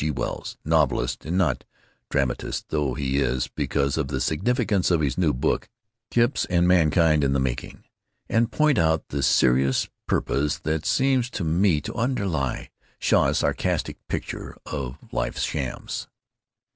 G. Wells (novelist and not dramatist though he is, because of the significance of his new books, Kips and Mankind in the Making), and point out the serious purpose that seems to me to underlie Shaw's sarcastic pictures of life's shams.